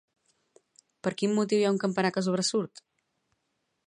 Per quin motiu hi ha un campanar que sobresurt?